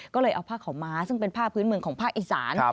ก็เลยเอาผ้าขาวม้าซึ่งเป็นผ้าพื้นเมืองของภาคอีสาน